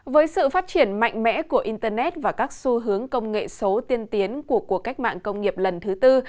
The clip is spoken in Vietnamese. với sự phát triển mạnh mẽ của internet và các xu hướng công nghệ số tiên tiến của cuộc cách mạng công nghiệp lần thứ tư